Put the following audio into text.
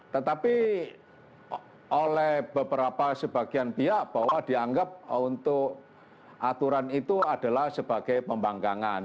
tetapi oleh beberapa sebagian pihak bahwa dianggap untuk aturan itu adalah sebagai pembangkangan